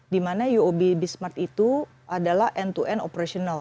di mana uob bsmart itu adalah end to end operational